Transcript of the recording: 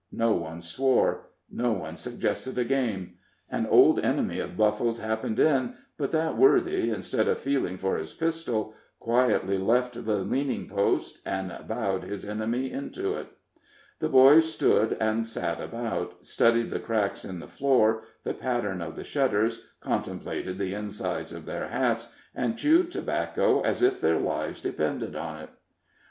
No one swore. No one suggested a game. An old enemy of Buffle's happened in, but that worthy, instead of feeling for his pistol, quietly left the leaning post, and bowed his enemy into it. The boys stood and sat about, studied the cracks in the floor, the pattern of the shutters, contemplated the insides of their hats, and chewed tobacco as if their lives depended on it.